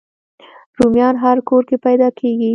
رومیان هر کور کې پیدا کېږي